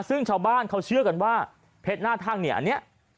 ซึ่งชาวบ้านเขาเชื่อกันว่าเพชรหน้าทั่งเนี่ยอันนี้